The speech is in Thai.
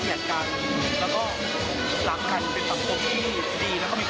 เรารักกันไว้นะคะเรารักกันไว้ดีกว่า